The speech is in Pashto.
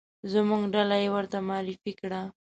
زموږ ډله یې ورته معرفي کړه.